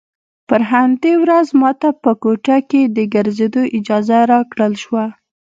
پر همدې ورځ ما ته په کوټه کښې د ګرځېدو اجازه راکړل سوه.